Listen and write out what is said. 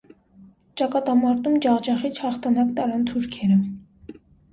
Ճակատամարտում ջախջախիչ հաղթանակ տարան թուրքերը։